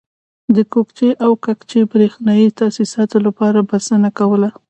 د کوکچې او کجکي برېښنایي تاسیساتو لپاره بسنه کوله.